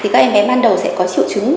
các em bé ban đầu sẽ có triệu chứng